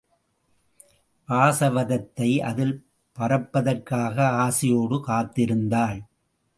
வாசவதத்தை அதில் பறப்பதற்காக ஆசையோடு காத்திருந்தாள்.